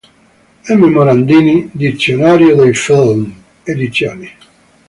M. Morandini, "Dizionario dei film", ed.